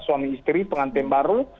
suami istri pengantin baru